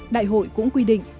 đại hội cũng quy định